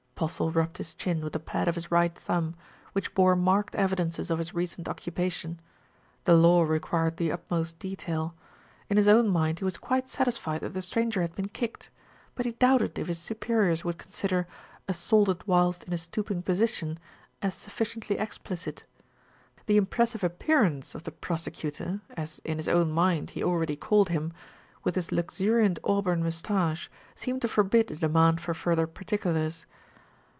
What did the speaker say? Postle rubbed his chin with the pad of his right thumb, which bore marked evidences of his recent occupation. The law required the utmost detail. In his own mind he was quite satisfied that the stranger had been kicked; but he doubted if his superiors would consider "assaulted whilst in a stooping position" as sufficiently explicit. The impressive appearance of the prosecutor, as in his own mind he already called him, with his luxuriant auburn moustache, seemed to forbid a demand for further particulars.